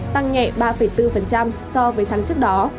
tăng nhẹ ba bốn so với tháng trước đó